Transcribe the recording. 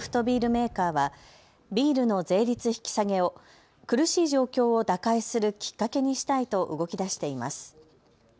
メーカーはビールの税率引き下げを苦しい状況を打開するきっかけにしたいと動きだしています。